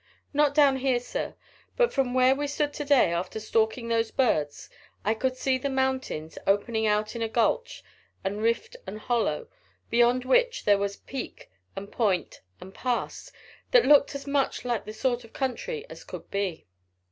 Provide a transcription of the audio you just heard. "Not down here, sir; but from where we stood to day after stalking those birds, I could see the mountains opening out in gulch and rift and hollow, beyond which there was peak and point and pass that looked as much like the sort of country as could be."